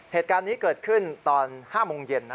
เหตุการณ์นี้เกิดขึ้นตอน๕โมงเย็นนะ